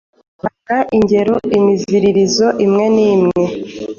Tanga ingero imiziririzo imwe n’imwe